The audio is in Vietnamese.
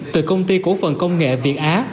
từ công ty cổ phần công nghệ việt á